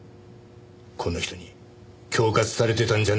この人に恐喝されてたんじゃないのか？